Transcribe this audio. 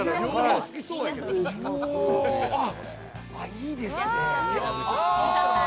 いいですね。